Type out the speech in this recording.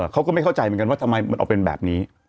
เขาก็ไม่เข้าใจเหมือนกันว่าทำไมมันออกเป็นแบบนี้